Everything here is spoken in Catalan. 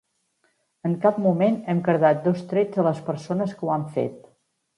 En cap moment hem cardat dos trets a les persones que ho han fet.